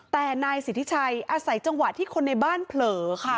แต่นายสิทธิชัยอาศัยจังหวะที่คนในบ้านเผลอค่ะ